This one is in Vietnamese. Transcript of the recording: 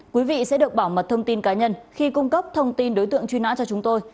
quý vị sẽ được bảo mật thông tin cá nhân khi cung cấp thông tin đối tượng truy nã cho chúng tôi